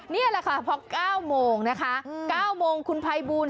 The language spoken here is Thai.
นี้แหละครับเพราะ๙โมงคุณพัยบูล